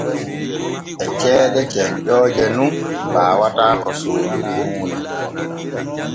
E ceede cenƴooje nun baawata ko soodiri huune.